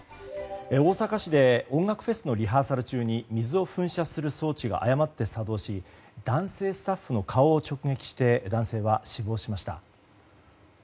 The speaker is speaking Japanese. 大阪市で音楽フェスのリハーサル中に水を噴射する装置が誤って作動し男性スタッフの顔を直撃して男性は死亡しました。